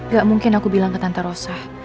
gak mungkin aku bilang ke tante rosa